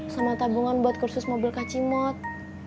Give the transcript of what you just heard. sama tabungan buat kursus mobil kak cimot